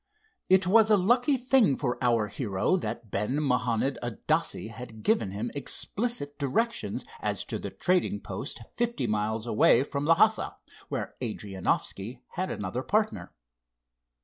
It was a lucky thing for our hero that Ben Mahanond Adasse had given him explicit directions as to the trading post fifty miles away from Lhassa, where Adrianoffski had another partner.